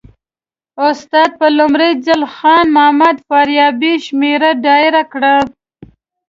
استاد په لومړي ځل خان محمد فاریابي شمېره ډایل کړه.